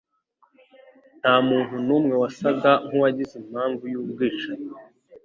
Ntamuntu numwe wasaga nkuwagize impamvu yubwicanyi.